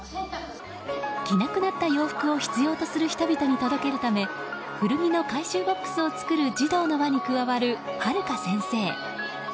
着なくなった洋服を必要とする人々に届けるため古着の回収ボックスを作る児童の輪に加わる、はるか先生。